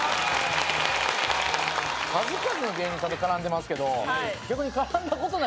数々の芸人さんと絡んでますけど逆に。